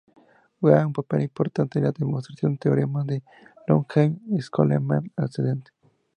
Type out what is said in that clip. Juega un papel importante en la demostración del Teorema de Löwenheim-Skolem ascendente.